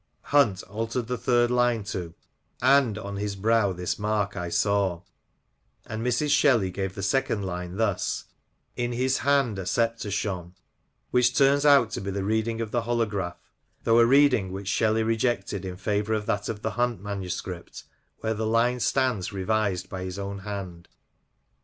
*" Hunt altered the third line to —And on his brow this mark I saw —" and Mrs. Shelley gave the second line thus —*' In his hand a sceptre shone ;" which turns out to be the reading of the holograph, though a reading which Shelley rejected in favour of that of the Hunt manuscript, where the line stands revised by his own hand.